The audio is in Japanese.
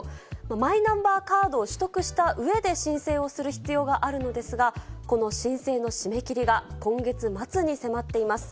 マイナンバーカードを取得したうえで申請をする必要があるのですが、この申請の締め切りが今月末に迫っています。